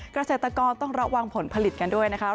เกษตรกรต้องระวังผลผลิตกันด้วยนะคะ